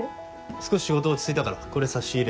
少し仕事落ち着いたからこれ差し入れ。